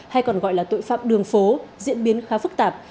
hay còn gọi là tội phạm đường phố diễn biến khá phức tạp